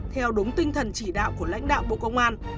theo đúng tinh thần chỉ đạo của lãnh đạo bộ công an